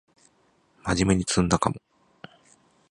まじめに詰んだかも